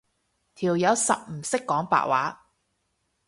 條友實唔識講白話